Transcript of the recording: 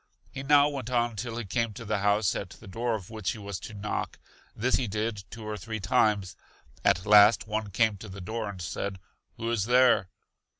He now went on till he came to the house at the door of which he was to knock; this he did two or three times. At last one came to the door and said: Who is there?